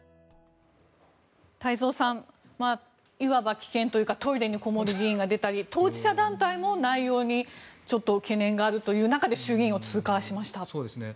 太蔵さんいわば棄権というかトイレにこもる議員が出たり当事者団体も内容にちょっと懸念があるという中で衆議院を通過しました。